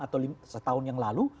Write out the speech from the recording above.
atau setahun yang lalu